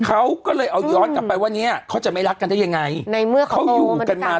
เขาก็เลยเอาย้อนกลับไปว่าเนี้ยเขาจะไม่รักกันได้ยังไงในเมื่อเขาอยู่กันมา